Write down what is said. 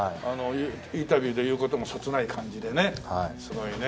インタビューで言う事もそつない感じでねすごいね。